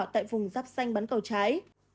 tại vùng rắp xanh bắn cầu trái